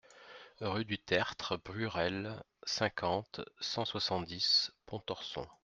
Rue du Tertre Burel, cinquante, cent soixante-dix Pontorson